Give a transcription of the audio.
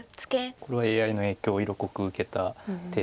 これはＡＩの影響を色濃く受けた手で。